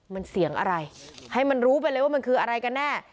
มันเสียงอะไรให้มันรู้ไปเลยว่ามันคืออะไรกันแน่